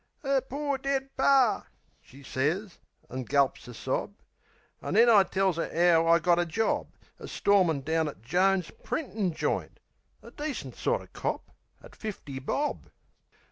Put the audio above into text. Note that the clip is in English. "'Er pore dead Par," she sez, an' gulps a sob. An' then I tells 'er 'ow I got a job, As storeman down at Jones' printin' joint, A decent sorter cop at fifty bob.